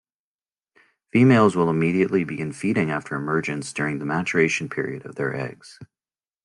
Females will immediately begin feeding after emergence during the maturation period of their eggs.